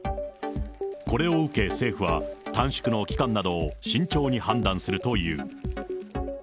これを受け政府は、短縮の期間などを慎重に判断するという。